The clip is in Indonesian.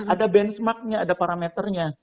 ada benchmarknya ada parameternya